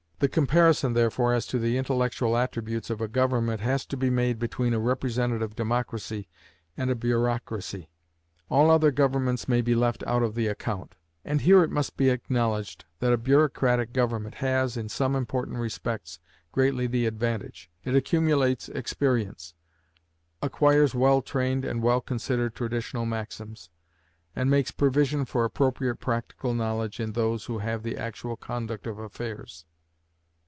The comparison, therefore, as to the intellectual attributes of a government has to be made between a representative democracy and a bureaucracy; all other governments may be left out of the account. And here it must be acknowledged that a bureaucratic government has, in some important respects, greatly the advantage. It accumulates experience, acquires well tried and well considered traditional maxims, and makes provision for appropriate practical knowledge in those who have the actual conduct of affairs.